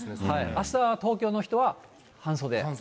あしたは東京の人は半袖。